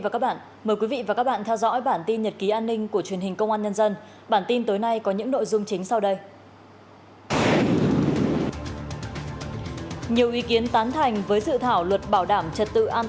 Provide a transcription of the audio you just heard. các bạn hãy đăng ký kênh để ủng hộ kênh của chúng mình nhé